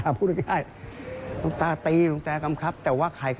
คุณผู้ชมฟังเสียงเจ้าอาวาสกันหน่อยค่ะ